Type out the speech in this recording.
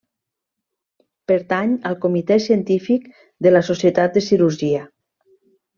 Pertany al Comitè Científic de la Societat de Cirurgia.